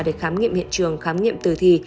để khám nghiệm hiện trường khám nghiệm tử thì